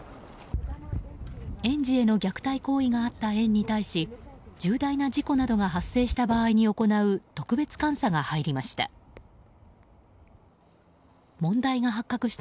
園児への虐待行為があった園に対し重大な事故などが発生した場合に行う特別監査が入りました。